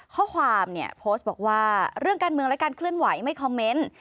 ข้อความเนี่ยโพสต์บอกว่าเรื่องการเมืองและการเคลื่อนไหวไม่คอมเมนต์